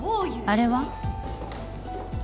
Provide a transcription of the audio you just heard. あれは？